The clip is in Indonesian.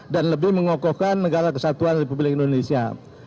dan lebih mengokokkan negara kesatuan republik indonesia